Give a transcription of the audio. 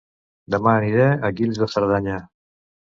Dema aniré a Guils de Cerdanya